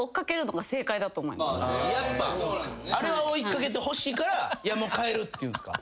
やっぱあれは追い掛けてほしいから「帰る」って言うんすか？